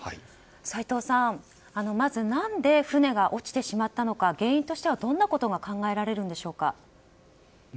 斎藤さん、まず何で船が落ちてしまったのか原因としてはどんなことが考えられるんでしょうか？